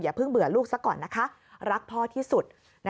เพิ่งเบื่อลูกซะก่อนนะคะรักพ่อที่สุด